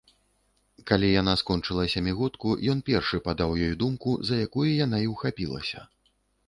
Калі яна скончыла сямігодку, ён першы падаў ёй думку, за якую яна і ўхапілася.